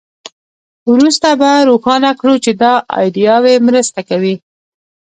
وروسته به روښانه کړو چې دا ایډیاوې مرسته کوي